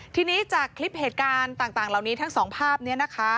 ทีนี้จากคลิปเหตุการณ์ต่างเหล่านี้ทั้งสองภาพนี้นะคะ